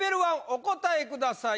１お答えください